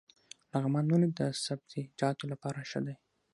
لغمان ولې د سبزیجاتو لپاره ښه دی؟